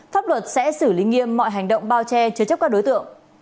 pháp luật sẽ xử lý nghiêm mọi hành động bao che chứa chấp các đối tượng